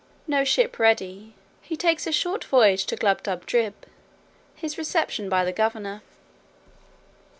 No ship ready. He takes a short voyage to Glubbdubdrib. His reception by the governor.